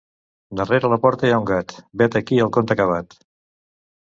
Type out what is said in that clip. Darrere la porta hi ha un gat, vet aquí el conte acabat.